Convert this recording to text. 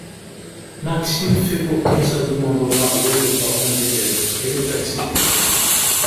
Maxime fait pourtant sa demande en mariage aux parents d’Hélène, elle est acceptée.